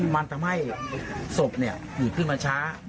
มันมันให้สบเนี่ยอืดขึ้นมาช้า